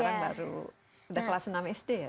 sekarang baru udah kelas enam sd ya